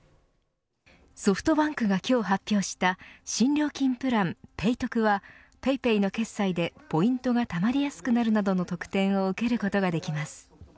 ソフトバンクが今日発表した新料金プラン、ペイトクはＰａｙＰａｙの決済でポイントがたまりやすくなるなどの特典を受けることができます。